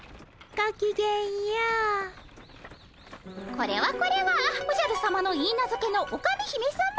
これはこれはおじゃるさまのいいなずけのオカメ姫さま。